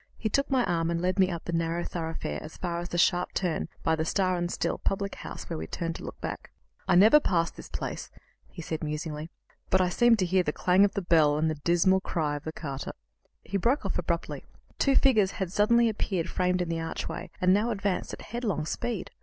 He took my arm and led me up the narrow thoroughfare as far as the sharp turn by the "Star and Still" public house, where we turned to look back. "I never pass this place," he said musingly, "but I seem to hear the clang of the bell and the dismal cry of the carter " He broke off abruptly. Two figures had suddenly appeared framed in the archway, and now advanced at headlong speed.